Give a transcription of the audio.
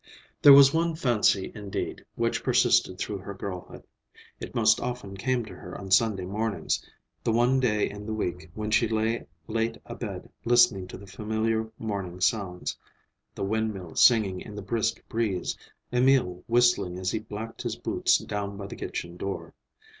There was one fancy indeed, which persisted through her girlhood. It most often came to her on Sunday mornings, the one day in the week when she lay late abed listening to the familiar morning sounds; the windmill singing in the brisk breeze, Emil whistling as he blacked his boots down by the kitchen door.